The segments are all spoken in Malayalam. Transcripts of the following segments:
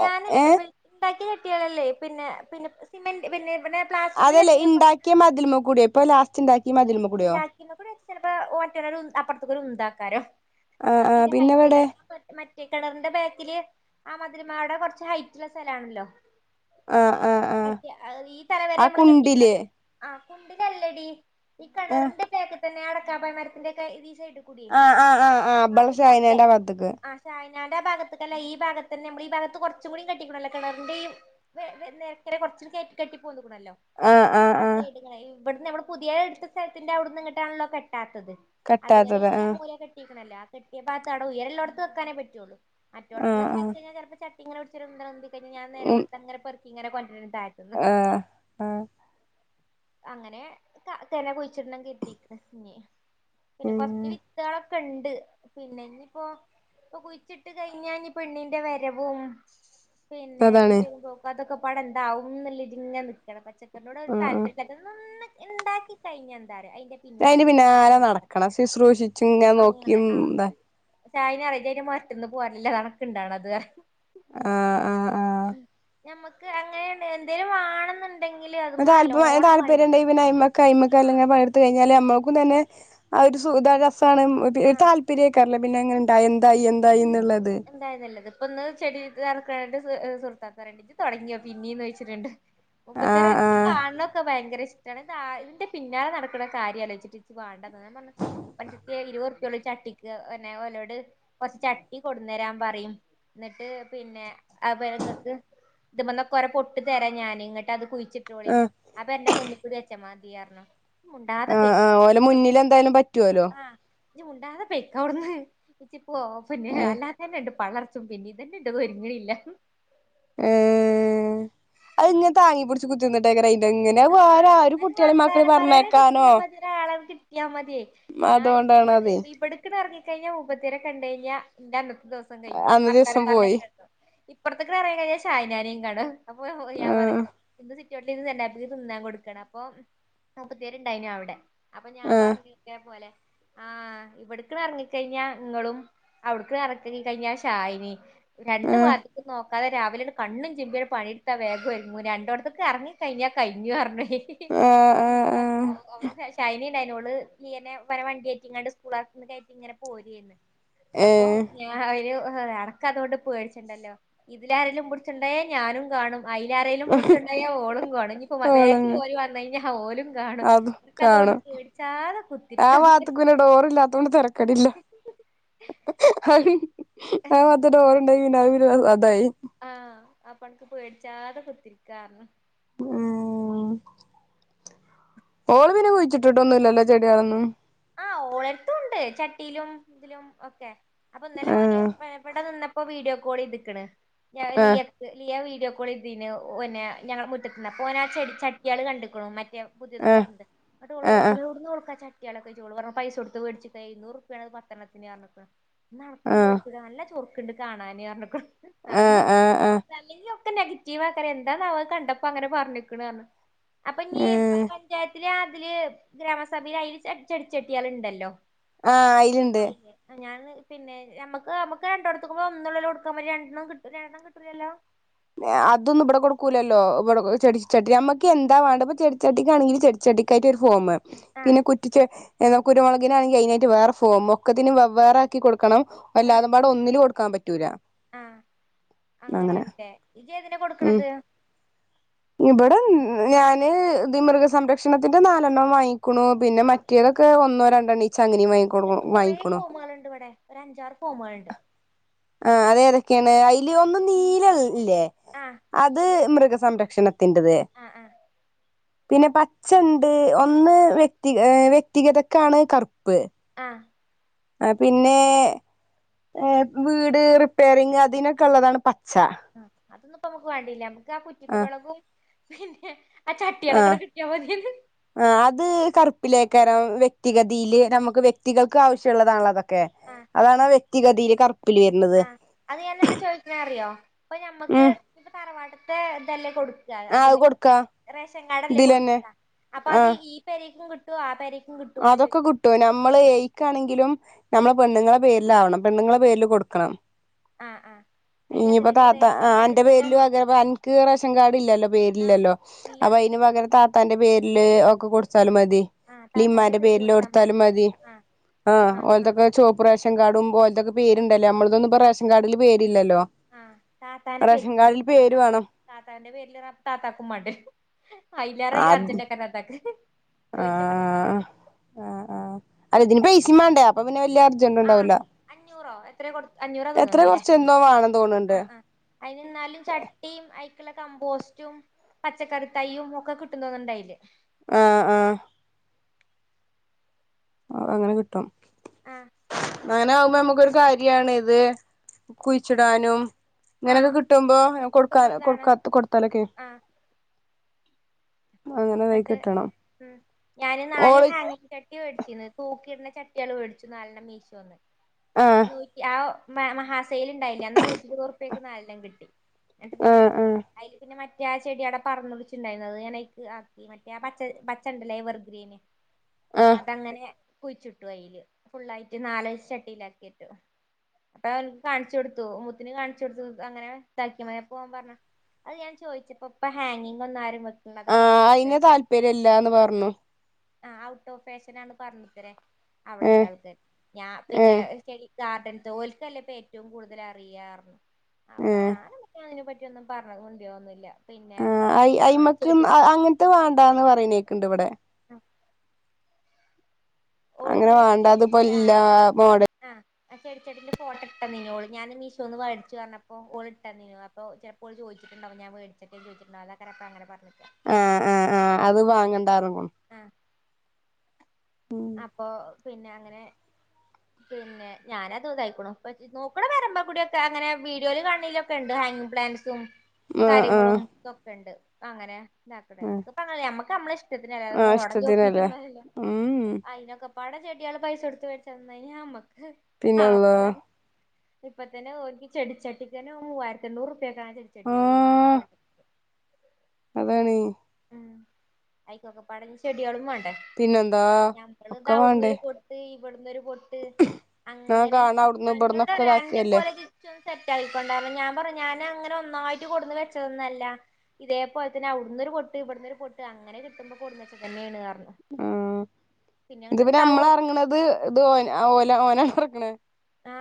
ഞാന് ഏ എ പി ഇണ്ടാക്കിയേ ട്ടിയറല്ലേ പിന്നെ പിന്നെ സിമൻ്റ് പിന്നെ പിന്നെ പ്ലാസ്റ്റിക്കിന്റെ അതെല്ലേ ചട്ടികളൊക്കെ ഇണ്ടാക്കിയ മതിലുമകൂടെയെ ഇപ്പ ലാസ്റ് ഇണ്ടാ ഇണ്ടാക്കിന്നൊക് ടെ [unintelligible] ചെലപ്പോ ഓ മറ്റോനൊരു അപ്പറത്തുക്കൊരുന്താക്കാരം ആ അത് ആ തീരെ പിന്നെ ഹൈറ്റില്ല ഇവിടെ ഞാൻ പെട്ട് മ കെണറിൻ്റെ ബാക്കില് ആ മതിലുമ അവിടെ കൊറച്ച് ഹൈറ്റ്ള്ള സ്ഥലാണല്ലോ ആ ആ ആ മറ്റേ അത് ഈ ആ തലവരെ മ്മള് കുണ്ടില് കെട്ടിക്ണല്ലോ ആ കുണ്ടിലല്ലെടി ഈ ആ കെണറിൻ്റെ ബേക്ക് തന്നെ അട ക്കാപ്പയ മരത്തിൻ്റെ ഒക്കെ ഇതീ ആആആആ ബള ഷാഹിനെൻ്റെ ആ ഭാഗത്ത്ക്ക് നാൻ്റെ ഭാഗത്തിക്കല്ല ഈ ഭാഗത്ത്ന്നെ മ്മള് ഈ ഭാഗത്തു കൊറച്ചും കൂടി കെട്ടിക്കണല്ലോ കെണറിൻ്റെ ഈ വേവെ പിന്നെ ക്കരെ കൊറച്ചും ടി കേറ്റി കെട്ടിപോന്നു ത്തുണല്ലോ ആ സൈഡിങ്ങനെ യു ബെട്ന്ന് ഞമ്മള് പുതിയേ ഇട്ത്ത് സ്ഥലത്തിൻ്റെ അവ്ട്ന്ന് ഇങ്ങടാണല്ലോ കെട്ടാ ത്തത് അത് കെട്ടാത്തത് ആ വരെയില്ല്യ മൂല കെട്ടി ക്ക്ണല്ല ആ കെട്ട്യ ഭാഗത്ത് ആ ഉയരം ഉള്ളോട്ത്ത് വക്കാനെ പറ്റുള്ളൂ ആ മറ്റോടത് ന്ന് ക്കെ ആ ആയ്ക്കയിഞ്ഞാ ചെലപ്പോ ച ഇങ്ങനെ പിടിച്ചൊരു ഉന്തങ്ങ് ഉന്തി പിന്നെ ഞാൻ നേരം ഉം വെളുത്തങ്ങനെ പെറു ക്കിങ്ങനെ കൊണ്ടര് ണ്ട് തായത്ത് ന്ന് ആ ആ അങ്ങനെ കാ [unintelligible] കുഴിച്ചിടണം കര്തീക്ക്ണ് ഇഞി പിന്നെ ഉം കൊർച്ച് വിത്താളൊ ക്കെണ്ട് പിന്നെ ഇത്തിപ്പോ പ്പോ കുയിച്ചിട്ട് കഴിഞ്ഞാ ഇഞ് പെണ്ണിന്റെ വരവും പിന്നെ അതാണ് എങ്ങട്ടേലും പോക്ക് അതൊക്കെ പ്പാടെ എന്താവും ന്ന്ല്ല ഇതി ഇങ്ങനെ നിക്കാണ് പച്ച ക്കറിന്നോടൊരു ആ ആ താല്പര്യല്ല [unintelligible] ഇണ്ടാക്കി കഴിഞ്ഞ പിന്നെഅയിന്റെ പിന്നാലെ നടക്കണം സിശ്രൂഷിച്ചും ഇങ്ങനെ നോക്കിയും [unintelligible] [unintelligible] പറിം ഇജയിൻ്റെ മൊരട്ട്ന്ന് പോരലില്ല അതാണൊക്കെ ഇണ്ടാവണത് പറിം ആ ആ ആ ഞമ്മക്ക് അങ്ങനെ [unintelligible] എന്തേലും വാണന്നു [unintelligible] താല്പര്യോണ്ടങ്കി പിന്നെ അയ്മെക്ക് ആഹ് [unintelligible] നമുക്കും തന്നെ ആ ഒരു സു [unintelligible] സാണ് ഇത് ആഹ് താല്പര്യ കാരണം പിന്നെ ങ്ങ്ണ്ടായിഎന്തായി എന്തായീന് [inaudible] ഒന്ന് [unintelligible] രണ്ട് [unintelligible] ആഹ് [unintelligible] നിക്ക് ആഹ് കാണതൊക്കെ ഭയങ്കരീഷ് [unintelligible] ഇതിന്റെ പിന്നാലെ നടക്കണ കാര്യാലോചിച്ചിട്ട് നിക്ക് ബാണ്ട [unintelligible] പക്ഷേ ഇരു ന്നെ കട്ടിക്ക് ഒന്നേകാലൊള്ള് കൊറച്ച് ചട്ടി വരാൻ പറയും ന്നിട്ട് പിന്നെ [unintelligible] ങ്ങക്ക് ഇതിമ്മന്നൊക്കെ ഓരോ പൊട്ട് തരാ ഞാന് നിട്ടത് കുയി ചിട്ടോളിൻ ആഹ് അതെന്റെ മുന്നിക്കൂടി [unintelligible] ല്ല്യാർഞ്ഞു ആ ആ ഓലെ മുന്നിലെന്തായാലും പറ്റോലോ ആഹ് ഇജ്ജ് മുണ്ടാതെ പൊയ്ക്കാട്ന്ന് ഓ ഏഹ് [unintelligible] [unintelligible] ഏ അയ്ങ്ങനെ താങ്ങിപ്പിടിച്ചു [unintelligible] എങ്ങനെ ആഹ് വേറാരു കു അത് ട്ടിയാളിം മക്കളിം പറഞ്ഞയക്കാനോ [unintelligible] [unintelligible] അതുകൊണ്ടാണ് അതെ ഇബട്ക്ക് നർഞ്ഞ് കൈഞ്ഞാ മൂപത്തിയേരെ കണ്ടു കഴിഞ്ഞാ [unintelligible] ദിവസം കഴിഞ്ഞു അന്ന് വർത്താനം ദിവസം പറഞ് പോയി [unintelligible] ഇപ്പർത്ത്ക്ക് എറങ്ങി കഴിഞ്ഞാ ഷാഹിനാനിം കാണും അപ്പൊ ഞാൻ പറിം ആഹ് [unintelligible] തിന്നാൻ കൊടുക്കണം പ്പോ മുപ്പത്തിയാര് ഉണ്ടയിരുന്നു അവിടെ അപ്പ ഞാൻ ആഹ് പർഞ്ഞു ഇതേപോലെ ആ ഇവട്ക്ക് ങ്ങട്ട് അറങ്ങി കഴിഞ്ഞാ ഇങ്ങളും അവട്ക്ക് എറങ്ങി കഴിഞ്ഞാ ഷാഹിനിം രണ്ടു ആഹ് ഭാഗത്ക്കും നോക്കാദെ രാവിലെ കണ്ണും ചിമ്പിൻണ്ട് പണി എടുത്താ വേഗം ഒരുങ്ങും രണ്ടോട്ത്തുക്കും എറങ്ങി കഴിഞ്ഞാ കഴിഞ്ഞു [unintelligible] [unintelligible] ആഹ് ആഹ് ആഹ് [unintelligible] ഓള് ടിഎൻഎ ഉപ്പാന്റെ വണ്ടി യ്റ്റിക്കാണ്ട് സ്കൂളാരെ [unintelligible] പോരേന്ന് അപ്പോ ഏഹ് ഞാൻ ഒരു ആ അനക്ക് അതുകൊണ്ട് പേടിക്കണ്ടല്ലോ ഇതിലെ ആരേലും പിടിച്ചു കൊണ്ടുപോയാൽ ഞാനും കാണും അതിലെ ആരേലും പിടിച്ചു കൊണ്ടുപോയാൽ ഓളും കാണും ഇനിപ്പോ വേഗത്തിൽ ഓളങ്ങ് ഓടി വാ നായിഞ്ഞാൽ ഓലും കാണും അതും പിന്നെ അതോണ്ട് കാണും പേടിക്കാതെ ആ കുത്തിരിക്കാ ഭാഗത്ത്ക്ക് പിന്നെ ഡോറില്ലാത്തോണ്ട് തെരക്കടില്ല ഉം ആ അത് ഡോറിന്റെയി പിന്നെ അത്പ്പിന്നെ അതായി ആ അപ്പോ അനക് പേടിക്കാതെ കുത്തിരിക്കാ ഉം ഓള് പിന്നെ കുഴിച്ചിട്ട്ട്ടൊന്നുല്ലല്ലോ ചെടികളൊന്നും? ആ ഓളെഡ്ത്തും ഉണ്ട് ചട്ടിലും ഇതിലും ഒക്കെ അപ്പോ ഇന്നലെ ഓന് ആഹ് ഇവടെ നിന്നപ്പോ വീഡിയോ കോൾ ചെയ്ത്ക്ക്ണ് ആഹ് ഞാലിയക്ക് ലിയ വി വീഡിയോ കോൾ ചെയ്തിനു പിന്നെ ഞങ്ങളെ മുറ്റത്ത്ന്ന് അപ്പോ ഓൻ ആ ചെടിച്ചട്ടിയാള് കണ്ട്ക്ക്ണ് ഞാൻ പുതിയത് ആഹ് കൊടുത്ത് ന്ന്ട്ട് ഓളോട് ആഹ് ചോയ്ച്ചു ഏട്ന്നാ ഓൾക് ആ ചട്ടി ച്ചു ഓള് പറഞ്ഞു പൈസ കൊടുത്തു മേടിച്ചിട്ട് എയിന്നൂരൂർപ്പെണ് ഒരു പത്തണ്ണത്തിന് പറഞ്ഞക്കാ ന്നാ അനക്കും ആഹ് വേടിച്ചുടെ നല്ല ചോർ ക്ക്ണ്ട് കാണാന് ആഹ് പറഞ്ഞക്കും ആഹ് ആഹ് [unintelligible] നെഗറ്റീവ് ആത്രേ ന്താന്നാവോ അത് കണ്ടപ്പോ അങ്ങനെ പറഞ്ക്ക്ണ് ഞ അപ്പഞ്ഞി പ ഉം പഞ്ചായത്ത് രാവിൽ ഗ്രാമ സഭയിൽ അയിൽ ചെ ചെടി ചെട്ടിയൾ ണ്ടല്ലോ ആഹ് അയില്ണ്ട് അയിലന്നെ ഞാന് പിന്നെ ഞമ്മക് മ്മക് രണ്ടോത്‌ക്ക് ഒന്നള്ളല്ലോ കൊടുക്കാൻ പറ്റാ രണ്ടണ്ണം രണ്ട് ണ്ണം കിട്ടോലല്ലോ അ അതൊന്നും ഇവടെ കൊടുക്കൂലല്ലോ ഇവ്ടെ ചെടി ചട്ടി ഞമ്മക് എന്താ വേണ്ട ഇപ്പ ചടി ചട്ടിക്ക് ആണങ്കില് ചെടി ചട്ടിക്കായിട്ട് ഒരു ഫോംമ് ആഹ് പിന്ന കുറ്റിച്ച കുരുമുളകിനാണെങ്കി അയിനായിട്ട് വേറെ ഫോമ് ഒക്കെത്തിനും വേവേറെ ആക്കികൊ ക്കണം എല്ലാതും ബാടെ ഒന്നിൽ ക്കാൻ പറ്റൂല അ അങ്ങനെ അങ്ങനെൻ ട്ടെ ഇജ്ജ് ഏതിനാ കൊടുക്കണത്? ഇവിടേം ഞാന് മൃഗ സംരക്ഷണത്തിന്റെ നാലണ്ണം വാങ്ങി കുണു പിന്നെ ആഹ് മറ്റേതൊക്കെ ഒന്നോ ര രണ്ടന്നി ചങ്ങിനെ വായിക്കൊടുക്കും വായിക്ക്ണ് ഒരഞ്ചാർ കോമാഹ് ണ്ട് ആ ഏതൊക്കേണ് അയിൽ ഒന്ന് നീരൾ ല്ലേ ആഹ് അത് മൃഗ സംരക്ഷണ തിന്റതെ ആഹ് ആഹ് പിന്നെ പച്ചണ്ട് ഒന്ന് വെക്തികഥക്കാണ് കർപ്പ് ആഹ്ആ അ പിന്നെ വീട് റിപ്പെയറിങ് അതിനൊക്കെ ഉള്ളതാണ് പ ച്ചാ പ്പോ മ്മക്ക് വാണ്ടില്ല താ കുച്ച്കുരളകും പിന്നെ ആ അ ചട്ടികളൊക്കെ കിട്ടിയാ മതിന്ന് ആ അത് കറ്പ്പ് ലക്കാരം വെക്തി ആഹ് കതില് നമുക്ക് വെക് വ്യക്തികൾക്ക് ആവശ്യള്ളതാണല്ലോ അതോ ക്കെ ആഹ് അതാണ് വെയ് ത്തിഗയിൽ കർ ആഹ് അത് ഞാനന്താ ചോയിക്കണേ അറിയോ പ്പോ ഞമ്മക് ഉം ന്റ് തറവാട്ട് തെ തല്ലേ കൊട് ആ അത് കൊടുക്കാ റേഷൻ കാർഡല്ലേ ഇതിലന്നെ കൊടുക്കാ അപ്പം ആ അത് ഈ പെരേക്കും കിട്ട് ചു ആ പെരേ അതൊക്കെ കിട്ടും നമ്മള് എയ്ക്കാണെങ്കിലും നമ്മള് പെണ്ണുങ്ങളെ പേരിലാവണം പെണ്ണുങ്ങളെ പേരില് കൊടുക്കണം ആഹ് ആഹ് ഇനിയിപ്പ അയിനതല്ലടി താത്താ റേഷൻ കാർഡ് അന്റെ ഇല്ലല്ലോ പേരിലും അതെ അനക്ക് റേഷൻ ആഹ് കാർഡില്ലല്ലോ ഇല്ല അപ്പോ അയിന് പകരം താത് എന്റെ പേരില് ഒക്കെ കൊടുത്ത് ആലും മതി ആഹ് താത്താന്റെ ഉമ്മാന്റെ പേർക്ക് പേരില് കൊടുത്താ കൊടുത്താലും മതില്ലേ മതി ആഹ് ആ ആഹ് [inaudible] ആഹ് കാർഡും ഓൽതൊക്കെ പേരുണ്ടല്ലേ നമ്മളതൊന്നും ഇപ്പം റേഷൻ കാർഡില് പേരി ആ താത്താന്റെ പേരിൽ കാർഡിൽ കൊടുക്കാം അതാ പേര് നല്ലെ വേണം താത്താന്റെ പേരിലാകുമ്പോ താത്താക്കും വേണ്ട വരും അത് [unintelligible] ആഹ് ആഹ്ആ ആ അല്ല ഇതിന് പൈ സയും വേണ്ടേ അപ്പം പിന്നെ വല്യ അർജന്റ് ആഹ് ഉണ്ടാവൂല്ല അഞ്ഞൂറോ എത്രയോ കൊടു അഞ്ഞൂറാ എത്രയോ തോന്നുണുല്ലേ കൊറച്ച് എന്തോ വേണം തോണണ്ട് അയിനെന്നാലും ചട്ടിയും അയ് കമ്പോസ്റ്റും പച്ചക്കറി തൈയുംഒക്കെ കിട്ടും തോന്നണണ്ട് അയില് ആ ആ അത് അങ്ങനെ കിട്ടും ആ അങ്ങനാവുമ്പോ നമുക്കൊരു കാര്യാണ് ഇത് കുഴിച്ചിടാനും ഇങ്ങനൊക്കെ ആഹ് കിട്ടുമ്പോ കിട്ടുമ്പോ കൊടുക്കാല ഇതാണ് കൊടുക്കാ കൊടുത്താലെക്കെ എന്നിട്ട് കിട്ടണം ആ ഞാനും നാല് ഓള് ഹാങ്ങിംഗ് ചട്ടി മേടിച്ചു [unintelligible] തൂക്കിയിടുന്ന ചട്ടികള് മേടിച്ചു നാലെണ്ണം മീശോന്ന് ആഹ് നൂറ്റി ആ മ മഹാ സെയ് സെയ്ല് ഇണ്ടായില്ലേ അന്ന് നൂറ്റിയിരുപ് ഉറുപ്പിക്ക് നാലെണ്ണം കിട്ടി എന്നിട്ട് പിന്നെ ആഹ് ആഹ് അയില് പിന്നെ മ ഞാൻ ചെടി ആടെ പറഞ്ഞ് വെച്ചിട്ടിണ്ടായ്ന് അത് ഞാൻ അയിക്ക് ആ മറ്റെ ആ പച്ച പച്ച ഉണ്ടല്ലോ എവർഗ്രീന് ആഹ് അതങ്ങനെ കുയിച്ചിട്ടു അയില് ഫുള്ളായിട്ട് നാലഞ്ച് ചട്ടിയിലാക്കിട്ട് അപ്പൊ കാണിച്ചു കൊടുത്തു മുത്തിന് കാണിച്ച് കൊടുത്തു അങ്ങനെ [inaudible] പോകാൻ പറഞ്ഞ് അല്ല ഞാൻ ചോയിച്ചപ്പോ ഇപ്പോ ഹാങ്ങിംഗ് ഒന്നും ആരും വെക്ക് ആഹ് [unintelligible] അയിന് താൽപര്യം ഇല്ലാന്ന് പറഞ്ഞു ആ ഔട്ട് ഓഫ് ഫാഷനാന്ന് പറഞ്ഞത്രേ ഏഹ് അവിടൊള്ളാൾക്കാര്, ഞാൻ പിന്നേ ഏഹ് സ്റ്റെഡി സ്റ്റാർട്ൻഡ് ഓൾക്കല്ലെപ്പേറ്റം കൂടുതലറിയ്യ. അപ്പ ഏഹ് ഞാനെന്തൊക്കെയോങ്നെ പഠി നിക്കൊന്നും പറയണോണ്ടി വന്നില്ല. അയ്മക്കും അങ്ങനത്തെ വേണ്ടാന്ന് പറയിന്. ക്കിണ്ടിവിടെ. [unintelligible] ങ്ങനെ ഓളിന്നലെ വേണ്ടാത്തപ്പം എല്ലാ മോഡ അപ്പയെടുത്തതിന്റെ ഫോട്ടം ഇട്ടന്നേയോള് ഞാനും മീശോന്നു വേടിച്ച കാരണം അപ്പോ ഓളിട്ടാരുന്നു. അപ്പോ ചെലപ്പോ ഓള് ചോയ്ച്ചിട്ടുണ്ടാവും ഞാൻ വേടിച്ചിട്ടെന്തിയെ അതാക്കും അങ്ങനെ പറഞ്ഞെ. ആ ആ ആ അത് വാങ്ങെണ്ടാർന്നു. അപ്പോ. പിന്നേ അങ്ങനെ. പിന്നേ ഞാനതുതുയ്ക്കണ്. നോക്കണ് വേറെന്നക്കൂടെയൊക്കെ അങ്ങനെ വീഡിയോയില് കാണണെയിലൊക്കെണ്ടു ഹാങ്ങിങ് പ്ലാന്റ്സും ആഹ് ആഹ് കാര്യങ്ങളും ഇതൊക്കെണ്ട്. അങ്ങനെ [unintelligible] ആഹ് മ്മക്കിപ്പങ്ങനെയാ മ്മക്ക് ക്കെ മ്മളിഷ് ടത്തിനല്ലാതെ ആഹ് മോഡല് ഇഷ്ടത്തിനല്ലേ നോക്കീട്ടൊന്ന്വല്ല. ഉം അയ്നോക്കപ്പാടെ ചെട് എള് പൈസ‌ടുത്തുവച്ച നന്നായിമ്മക്ക്. പിന്നെന്നാ ഇപ്പത്തന്നെ ഒരു ചെടിച്ചട്ടിക്കന്നെ മൂവായിരത്തെണ്ണൂറു [unintelligible] ചെടികളീ നാൽപതു [unintelligible] അതാണീ ഉം അയ്ക്കൊക്കെപ്പാടെ നീ ചെടികളും വാങ്ങി. പിന്നെന്താ ഒക്കെ വാണ്ടേ ഞങ്ങളിതവിടുന്നൊരു പൊട്ടീ വിടുന്നൊരു പൊട്ട് ന്നാ അങ്ങനെ. കാണാ അവ്ട്ന്നും അന്നോടാ ഇബട്ന്നൊക്കെ രണ്ടു ഇതാക്കല്ലേ കൊലചിര്ച്ചോ സെറ്റായ്ക്കൊണ്ടാന്ന്‌. ഞാൻ പറഞ്ഞ് ഞാനങ്ങനെ ഒർണ്ണവായിട്ട് കൊണ്ടുന്നുവച്ചതൊന്നുവല്ല ഇതേ പോലെത്തന്നെ അവിടുന്നു ഒരു പൊട് തിവിടുന്നൊരു പൊട്ട് അങ്ങനെ കിട്ടുമ്പം കൊണ്ടുന്നുവച്ച തന്നെന്നുപറഞ്. ആ ഇതുപിന്നെ ഇണ്ടാവും അത് നമ്മളെറങ്ങണത് ഇത് ഓന് ആ ഓല ഓന് പ്രിക്കണ് ആ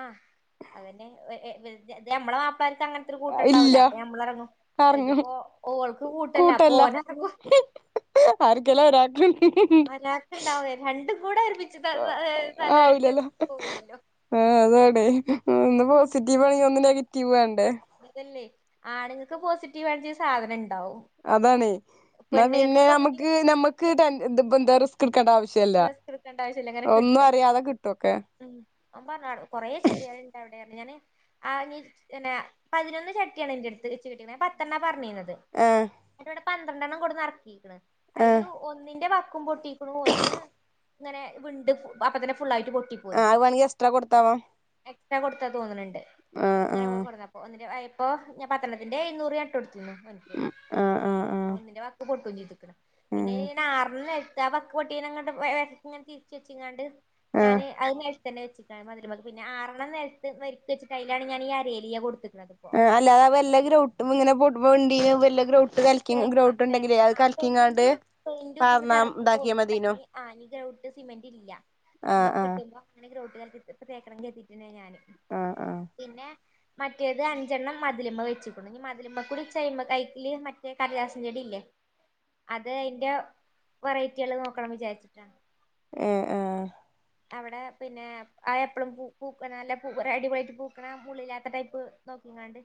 അതന്നെ എ എ ത് ഞമ്മളാ പരത്തങ്ങനത്തൊരു ഇല്ല കൂട്ടൊണ്ടാവ്വല്ലോ അപ്പ ഞമ്മളെറങ്ങും അ എറങ്ങ ഇതിപ്പോ ഓൾക്ക് കൂട്ടില്ല അപ്പോ ഓനെറങ്ങും ആര്ക്കേലും ഒരാക്കു ഒരാക്ക് ഇണ്ടാവെ രണ്ടു ആഹ് ആവില്ലല്ലോ പോവൂലല്ലോ ആ അതാണ് ഹ്മ് ഒന്ന് പോസിറ്റീവ് ആണെങ്കി ഒന്ന് നെഗ റ്റീവണ്. ഇതല്ലെ. ആണുങ്ങക്ക് പോസിറ്റീവ് വാചെ സാധനണ്ട്. അതാണേ എന്നാ പിന്നെ പോസിറ്റീവ് അമ്മക്ക് എനർജി നമക്ക് നമ്മക്ക് തൻ ഇത്പ്പെന്താ റിസ്ക് ഇടുക്കണ്ടാവ് റിസ്ക് ഇട്ക്കണ്ട ആവശ്യല്ല കാരണ കിട്ടും കിട്ടുവൊക്കെ ഹ്മ് ഓൻ പറഞ്ഞാണ് കൊറെേ ചെടിയാൾ ഇണ്ടഉടെ. [unintelligible] ഞാന് ആ നീ ന്നെ പതിനൊന്ന് ചട്ടിയാണ് എന്റട്ത് ഇച്ച് കിട്ടീനെ ഞാ പത്തെണ്ണ പറന്നീനത്. തെ ആ എന്റോടെ പന്ത്രെണ്ടണ്ണം കൊട്ന്ന് എർക്കീക്ക്ണ്. ആ അയില് ഒന്നിന്റെ ബ ക്കും പൊട്ടീക്ക്ണു ഒന്ന്. അങ്ങനെ വിണ്ട് ഫ് അപ്പൊ തന്നെ. ഫുള്ളായിട്ട് പൊട്ടി ആ പോന്നു അത് വേണെങ്കി എക്സ്ട്രാ കൊടുത്താവാം എക്സ്ട്രാ കൊടുത്താ തോന്ന്ണ് ണ്ട് ആ ആ ഇങ്ങനെ പറഞ്ഞപ്പോ ന്നിട്ട് അയ് പ്പൊ ഞാ പത്തണ്ണത്തിന്റെ എഴുന്നൂർ ഞാട്ടോട്ത്. ഉം [unintelligible] ആ ആ ആ ഒന്നിന്റെ വക്ക് പൊട്ടും ചെയ്ത്. [inaudible] പിന്നെ ഉം ഇൻ ആറെണ്ണ. തവക്ക് പൊട്ടിനങ്ങ ഇങ്ങനെ തിരിച് വെച്ചിങ്ങാണ്ട് ആ ഞാന് അതെങ്ങ് എടു തന്നെ വെച്ചി ട്ട മധരമി ക്ക് പിന്നെ ആറെണം നേരത്ത് വെച്ചിട്ട് കയ്യിലാണ് ഞൻ ഈ അരലിയ കൊടുത്തത് ആഹ് അല്ലാ വല്ല ഗ്രൗട്ടും ഇങ്ങനെ പു വണ്ടിയ വല്ല ഗ്രൗട്ട് കലക്കി തേക്കണം ഗ്രൗട്ട് ഉണ്ടെങ്കിലേ തേക്കണം അത് ആ കലക്കിങ്ങാണ്ട് പെയിന്റും, പെയിന്റ് ഇത്ങ്ങ്ട്ട് പാർന്നാ എറ ഇതാക്കിയാ മതീനു [unintelligible] ആനി ഗ്രൗട്ട് സിമെന്റ് ഇല്ല ആ ഇനി ആ കിട്ടുമ്പോ അങ്ങനെ ഗ്രൗട്ട് തേക്കണങ്കി എത്തിയിട്ടുണ്ടങ്കി ഞാന് ആ ആ പിന്നെ മറ്റേത് അഞ്ചെണ്ണം മതിൽമ്മ വെച്കു ണ്. ഇഞ്ഞി മതിൽമ്മ കൂടി, [unintelligible] കൈക്കില്. കടലാസും ചെടി ഇല്ലേ. അത് അയിന്റെ വെറൈറ്റികള് നോക്കണം വിചാരിച്ചിട്ടാണ്. ആഹ്. ആഹ്. അവിടെ, പിന്നെ ആ എപ്പളും പൂ പൂക്കണ, നല്ല പൂ അടിപൊളിയായിട് പൂക്കണ മുള്ളില്ലാത്ത ടൈപ്പ് നോക്കിങ്ങാണ്ട്.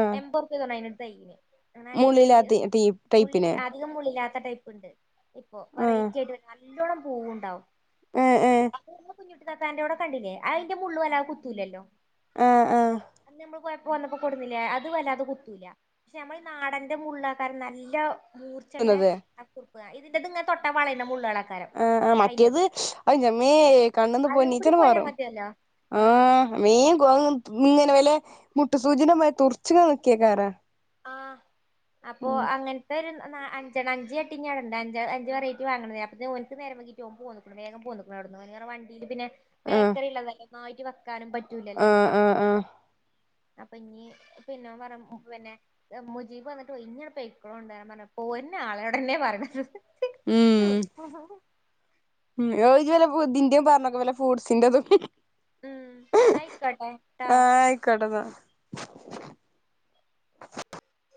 ആ [unintelligible] തൈന്. അങ്ങന അഞ്ച് മുള്ളില്ലാ തയ്യ്. തി ടീ മുള്ളില്ല ടൈപ്പിന് അധികം മുള്ളില്ലാത്ത ത ടൈപ്പുണ്ട് പ്പൊ വറൈറ്റി യായിട്ട് ഒരു സാധ ൻ്റോടെ പൂവുണ്ടാകും ഏ ഏ കുഞ്ഞുട്ടി താത്ത ആഹ് ആഹ് അന്ന് നമ്മള് പോ പ്പോ വന്നപ്പോ കൊണ്ടുന്നില്ലേ അത് വല്ലാതെ കുത്തൂല പക്ഷെ നമ്മൾ നാടന്റെ മുള്ളക്കാരം നല്ല മൂർച്ചള്ളെ ന്നത് [unintelligible] ആ ഇതിൻ്റതങ്ങ് തൊട്ടാ വളരു ആ ആ മറ്റേത് അയ്ൻ്റെമ്മേ ഏ കണ്ണിന്ന് അരൂകൂടി പൊന്നീച്ചാണ് പോയാ പാറും മതിയല്ലോ ആ ആഹ് മീ അപ്പൊ [unintelligible] മുട്ടുസൂചിൻ്റെമാതിരി തുർമ്മിങ്ങനെ നിക്കെയ്ക്കാരം ആ അപ്പൊ അങ്ങനതാരുന്നോ ന്ന അഞ്ചെണ്ണം അഞ്ച് ചടിഞ്ഞവിടെ ണ്ട് അഞ്ച് അഞ്ച് വെറൈറ്റി വാങ്ങുന്നയ അപ്പോത്തേക്ക് ഒരിറ്റം നേരം വൈകിട്ടു [unintelligible] വേഗം പോന്നക്കണം അവിടന്ന് വേറെ വണ്ടില് പിന്നെ ആഹ് ബേക്കറിള്ള തല്ലേ.? ആയിറ്റ് വാ. ആഹ് ആഹ് ആഹ്. അപ്പൊഞ്ഞി [unintelligible] ന്നെ ദ മുജീബ് വന്ന്ട്ട് ഒര്ങ്ങി ആട്ട് [unintelligible] പോര്ന്നാളയോടെന്നാ പറിണത് ഹ് ഹ് ഊഹ് [unintelligible] വുദിന്റെ പർനോക്ക് വലെ ഫൂട്സിന്റതു ഹും ഊം ന്നായ്ക്കോട്ടെ ട്ടോ ആഹ് ആയിക്കോട്ടെന്നാ [inaudible]